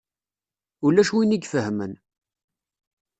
Ulac win i ifehhmen.